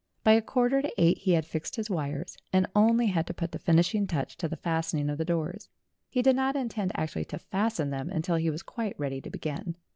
By a quarter to eight he had fixed his wires, and only had to put the finishing touch to the fastening of the doors; he did not intend actually to fasten them until he was quite ready to begin.